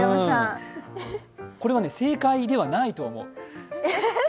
これはね、正解ではないと思う。